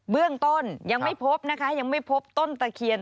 เบื้องต้นยังไม่พบนะคะยังไม่พบต้นตะเคียน